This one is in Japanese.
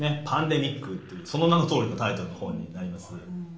「パンデミック」というその名のとおりのタイトルの本になります。